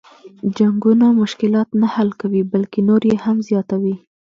جنګونه مشلات نه حل کوي بلکه نور یې هم زیاتوي.